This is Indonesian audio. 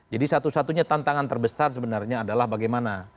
jadi satu satunya tantangan terbesar sebenarnya adalah bagaimana